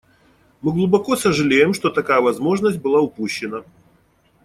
Мы глубоко сожалеем, что такая возможность была упущена.